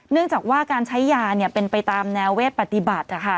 เนื่องจากว่าการใช้ยาเป็นไปตามแนวเวทปฏิบัติ